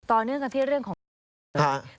ต่อเนื่องกันที่เรื่องของทุเรียน